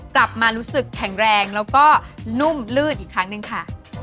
กลับมารู้สึกแข็งแรงแล้วก็นุ่มลื่นอีกครั้งหนึ่งค่ะ